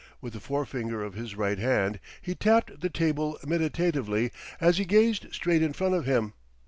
With the forefinger of his right hand he tapped the table meditatively as he gazed straight in front of him.